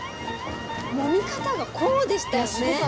もみ方がこうでしたよね。